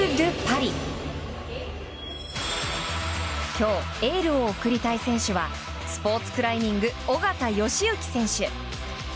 今日エールを送りたい選手はスポーツクライミング緒方良行選手。